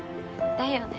だよね